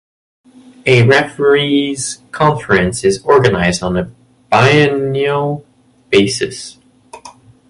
A Referees Conference is organised on a biennial basis.